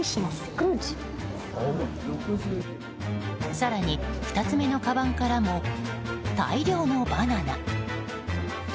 更に、２つ目のかばんからも大量のバナナ。